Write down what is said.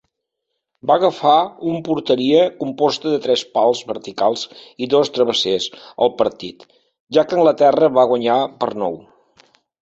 Va agafar un porteria composta de tres pals verticals i dos travessers al partit, ja que Anglaterra va guanyar per nou.